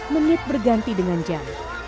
menit berganti dengan jam